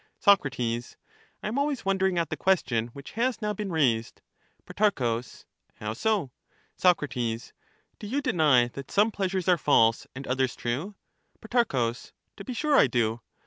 Soc. I am always wondering at the question which has now been raised. Pro, How so? Soc. Do you deny that some pleasures are false, and others true? Pro. To be sure I do.